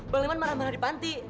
bang liman marah marah di panti